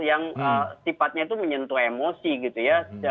yang sifatnya itu menyentuh emosi gitu ya